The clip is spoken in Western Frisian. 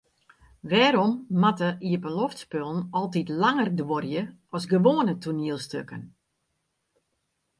Wêrom moatte iepenloftspullen altyd langer duorje as gewoane toanielstikken?